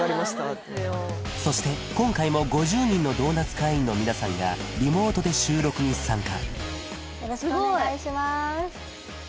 ってそして今回も５０人のドーナツ会員の皆さんがリモートで収録に参加